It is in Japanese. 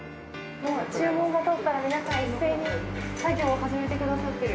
注文が通ったら、皆さん一斉に作業を始めてくださってる。